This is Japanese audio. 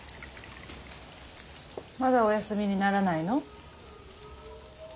まだお休みにならないの？